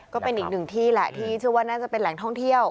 ก็เป็นอีกหนึ่งที่แหละที่เชื่อว่าน่าจะเป็นแหล่งท่องเที่ยว